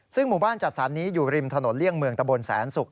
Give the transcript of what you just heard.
ซึ่งหมู่บ้านจัดสรรนี้อยู่ริมถนนเลี่ยงเมืองตะบนแสนศุกร์